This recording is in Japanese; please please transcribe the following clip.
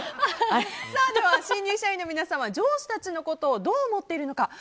では新入社員の皆さんは上司たちのことをどう思っているのか。